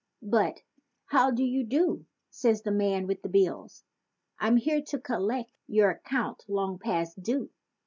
But! "How do you do?" says the man with the "bills"— "I'm here to collect your account long past due!"